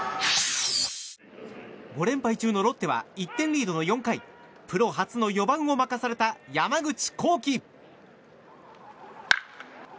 ５連敗中のロッテは１点リードの４回プロ初の４番を任された山口航輝。